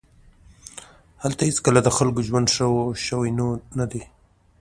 هلته هېڅکله د خلکو ژوند ښه شوی نه دی